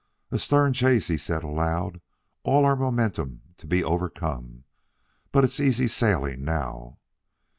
"A stern chase!" he said aloud. "All our momentum to be overcome but it's easy sailing now!"